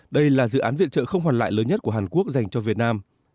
đây là dự án viện trợ không hoàn lại lớn nhất của hàn quốc dành cho việt nam